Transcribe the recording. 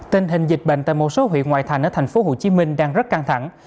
tình hình dịch bệnh tại một số huyện ngoại thành ở tp hcm đang rất căng thẳng